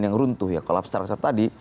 yang runtuh ya kolaps terlalu serta tadi